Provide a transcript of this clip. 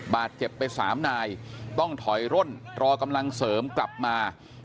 บาดเจ็บไป๓นายต้องถอยร่นรอกำลังเสริมกลับมา